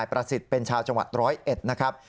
ประสิทธิ์เป็นชาวจังหวัดร้อยเอ็ดนะครับ